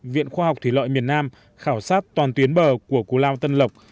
viện khoa học thủy lợi miền nam khảo sát toàn tuyến bờ của cù lao tân lộc